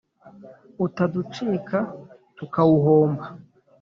utaducika tukawuhomba